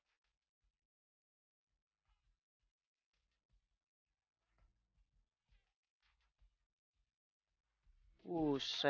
tuan kita mau ke sana